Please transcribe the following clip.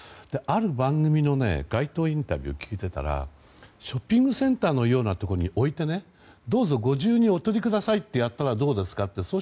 ある番組の街頭インタビューを聞いていたらショッピングセンターのような場所に置いてどうぞ、ご自由にお取りくださいってやったらどうですかと。